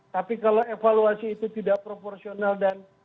tapi kalau evaluasi itu tidak proporsional dan